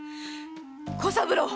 小三郎。